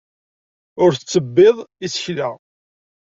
Ur tettebbiḍ isekla.